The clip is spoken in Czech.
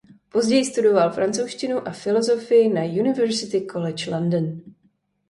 Později studoval francouzštinu a filozofii na University College London.